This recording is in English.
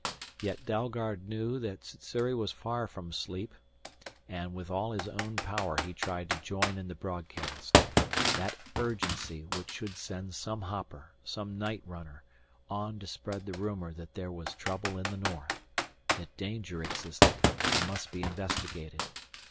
Yet Dalgard knew that Sssuri was far from asleep, and with all his own power he tried to join in the broadcast: that urgency which should send some hopper, some night runner, on to spread the rumor that there was trouble in the north, that danger existed and must be investigated.